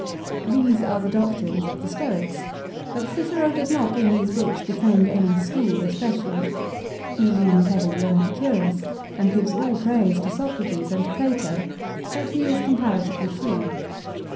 These are the doctrines of the Stoics ; but Cicero does not in these books defend any school especially. He leans heavily on Epicurus, and gives all praise to Socrates and to Plato ; but he is comparatively free.